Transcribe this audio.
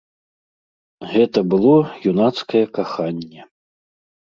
Гэта было юнацкае каханне.